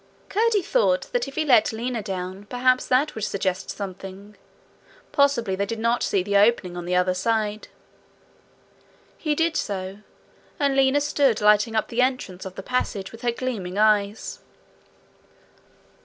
Curdie thought if he let Lina down, perhaps that would suggest something; possibly they did not see the opening on the other side. He did so, and Lina stood lighting up the entrance of the passage with her gleaming eyes.